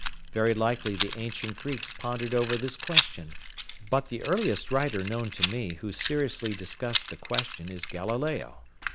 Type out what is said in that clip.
Very likely the ancient Greeks pondered over this question, but the earliest writer known to me who seriously discussed the question is Galileo.